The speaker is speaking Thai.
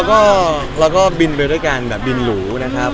แล้วก็เราก็บินไปด้วยกันแบบบินหรูนะครับ